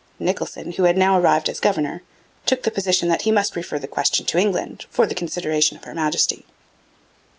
Nicholson, who had now arrived as governor, took the position that he must refer the question to England for the consideration of Her Majesty.